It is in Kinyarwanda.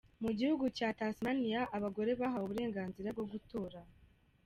Mu gihugu cya Tasmania, abagore bahawe uburenganzira bwo gutora.